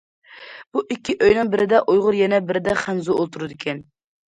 بۇ ئىككى ئۆينىڭ بىرىدە ئۇيغۇر، يەنە بىرىدە خەنزۇ ئولتۇرىدۇ.